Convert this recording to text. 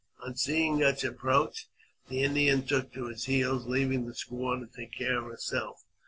On seeing us approach, the Indian took to his heels, leaving the squaw to take care of herself.